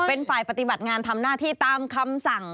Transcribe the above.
เป็นฝ่ายปฏิบัติงานทำหน้าที่ตามคำสั่ง